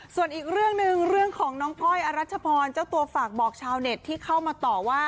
ส่วนอีกเรื่องหนึ่งเรื่องของน้องก้อยอรัชพรเจ้าตัวฝากบอกชาวเน็ตที่เข้ามาต่อว่า